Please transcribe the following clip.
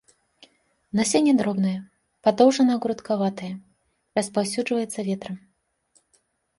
Насенне дробнае, падоўжана-грудкаватае, распаўсюджваецца ветрам.